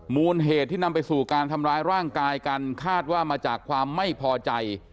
มูลเหตุที่นำไปสู่การทำร้ายร่างกายกันคาดว่ามาจากความไม่พอใจ